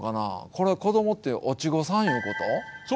これは子どもってお稚児さんいうこと？